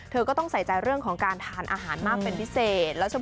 เธอก็ต้องใส่ใจเรื่องของการทานอาหารมากเป็นพิเศษ